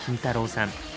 さん。